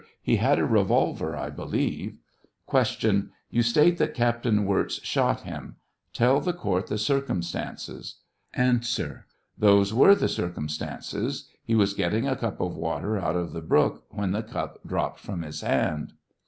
He had a revolver, I believe. Q. You state that Captain Wirz shot him ; tell the court the circumstances. A. Those were the circumstances. He was getting a cup of water out of the brook, when Ik cup dropped from his hand.